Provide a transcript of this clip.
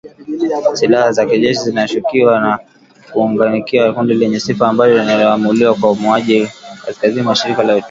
Silaha za jeshi zinashukiwa kuangukia kwenye mikono ya kundi lenye sifa mbaya linalolaumiwa kwa mauaji ya kikabila katika jimbo la kaskazini-mashariki la Ituri